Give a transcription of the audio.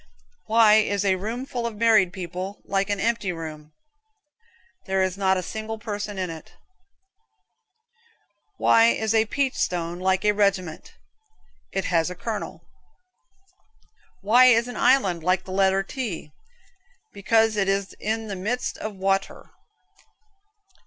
Why is a room full of married folks like an empty room? There is not a single person in it. Why is a peach stone like a regiment? It has a kernel (Colonel). Why is an island like the letter T? Because it is in the midst of wa t er.